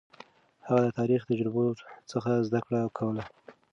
هغه د تاريخي تجربو څخه زده کړه کوله.